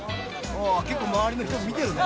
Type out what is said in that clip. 結構、周りの人も見てるね。